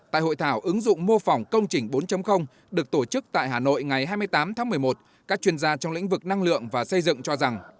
tại hội thảo ứng dụng mô phỏng công trình bốn được tổ chức tại hà nội ngày hai mươi tám tháng một mươi một các chuyên gia trong lĩnh vực năng lượng và xây dựng cho rằng